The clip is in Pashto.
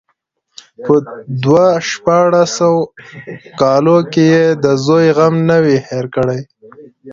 په دو شپاړسو کالو کې يې د زوى غم نه وي هېر کړى.